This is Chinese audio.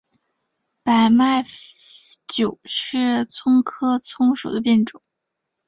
白脉韭是葱科葱属的变种。